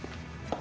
あ！